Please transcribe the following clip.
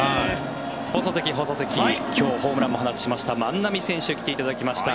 放送席今日ホームランを放ちました万波選手に来ていただきました。